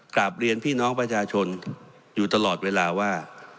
กลับเรียนพี่น้องประชาชนอยู่ตลอดเวลาว่า